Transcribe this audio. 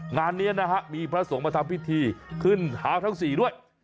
งานนี้มีพระสงฆ์มาทำพิธีขึ้นหาวทั้งสี่ด้วย